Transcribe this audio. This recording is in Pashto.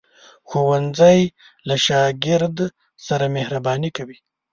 ښوونځی له شاګرد سره مهرباني کوي